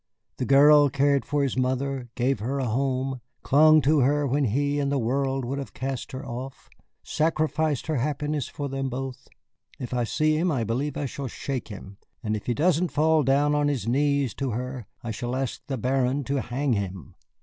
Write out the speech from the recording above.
The girl cared for his mother, gave her a home, clung to her when he and the world would have cast her off, sacrificed her happiness for them both. If I see him, I believe I shall shake him. And if he doesn't fall down on his knees to her, I shall ask the Baron to hang him.